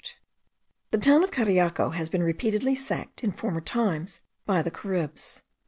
The town of Cariaco has been repeatedly sacked in former times by the Caribs.